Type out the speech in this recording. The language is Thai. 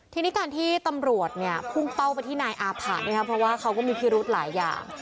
ทีนี้การที่ตำรวจเนี่ยพุ่งเป้าไปที่นายอาผะนะครับเพราะว่าเขาก็มีพิรุธหลายอย่าง